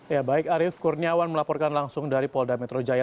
ya baik arief kurniawan melaporkan langsung dari polda metro jaya